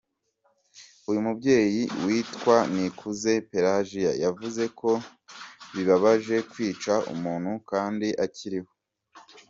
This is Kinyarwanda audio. Uyu mubyeyi witwa Nikuze Pelagie yavuze ko bibabaje “kwica” umuntu kandi akiriho.